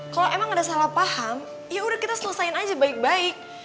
kalo emang ada salah paham yaudah kita selesain aja baik baik